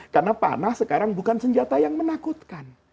karena panah sekarang bukan senjata yang menakutkan